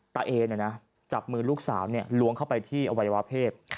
เอเนี่ยนะจับมือลูกสาวล้วงเข้าไปที่อวัยวะเพศ